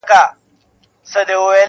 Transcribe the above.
چي دولت لرې ښاغلی یې هرچا ته.